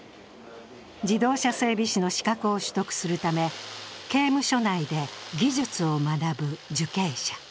自動車整備士の資格を取得するため刑務所内で技術を学ぶ受刑者。